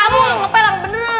kamu ngepelang beneran